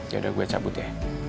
yaudah gue cabut ya